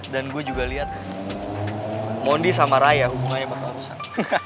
dan gue juga lihat mondi sama raya hubungannya bakal rusak